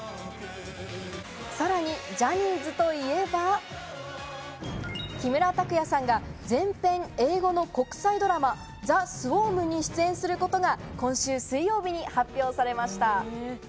さらにジャニーズといえば、木村拓哉さんが全編英語の国際ドラマ、『ＴＨＥＳＷＡＲＭ』に出演することが今週水曜日に発表されました。